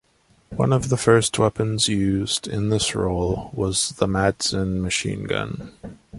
One of the first weapons used in this role was the Madsen machine gun.